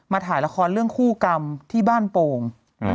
ถ่ายละครเรื่องคู่กรรมที่บ้านโป่ง